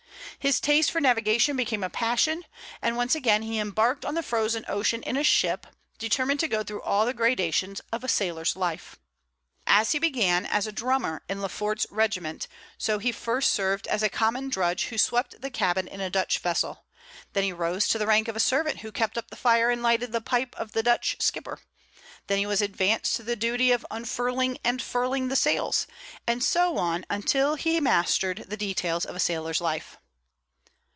His taste for navigation became a passion; and once again he embarked on the Frozen Ocean in a ship, determined to go through all the gradations of a sailor's life. As he began as drummer in Lefort's regiment, so he first served as a common drudge who swept the cabin in a Dutch vessel; then he rose to the rank of a servant who kept up the fire and lighted the pipe of the Dutch skipper; then he was advanced to the duty of unfurling and furling the sails, and so on, until he had mastered the details of a sailor's life.